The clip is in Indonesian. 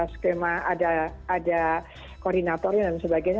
skema ada koordinatornya dan sebagainya